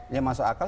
yang masuk akal